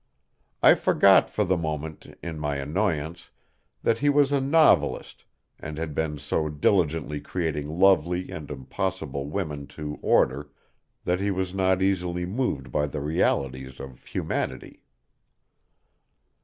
I forgot for the moment, in my annoyance, that he was a novelist, and had been so diligently creating lovely and impossible women to order that he was not easily moved by the realities of humanity.